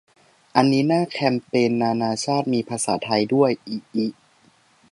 อันนี้หน้าแคมเปญนานาชาติ มีภาษาไทยด้วย อิอิ